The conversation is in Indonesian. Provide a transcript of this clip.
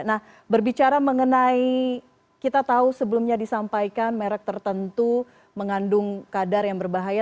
nah berbicara mengenai kita tahu sebelumnya disampaikan merek tertentu mengandung kadar yang berbahaya